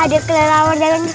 ada kelerawan jalan di sini